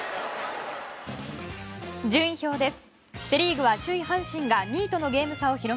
順位表です。